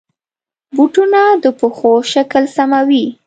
بوټونه د پښو شکل سموي.